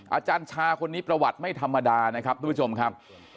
อาจารย์ชาคนนี้ประวัติไม่ธรรมดานะครับทุกผู้ชมครับ